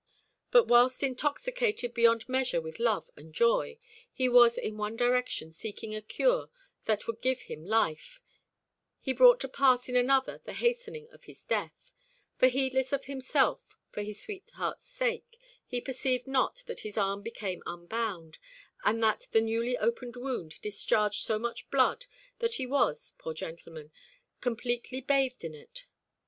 But whilst, intoxicated beyond measure with love and joy, he was in one direction seeking a cure that would give him life, he brought to pass in another the hastening of his death; for, heedless of himself for his sweetheart's sake, he perceived not that his arm became unbound, and that the newly opened wound discharged so much blood that he was, poor gentleman, completely bathed in it.